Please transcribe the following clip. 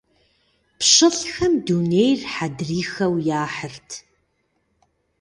ПщылӀхэм дунейр хьэдрыхэу яхьырт.